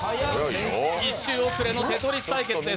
１週遅れのテトリス対決です。